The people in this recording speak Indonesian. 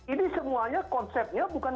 ini semuanya konsepnya bukan